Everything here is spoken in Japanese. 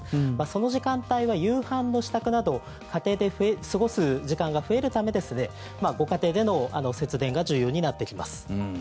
その時間帯は夕飯の支度など家庭で過ごす時間が増えるためご家庭での節電が重要になってきます。